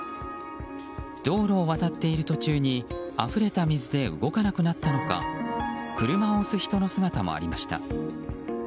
道路を渡っている途中にあふれた水で動かなくなったのか車を押す人の姿もありました。